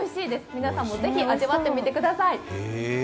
皆さんもぜひ味わってみてください。